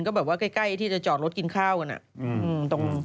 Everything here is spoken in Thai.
ก็แบบว่าใกล้ที่จะจอดรถกินข้าวกันอะ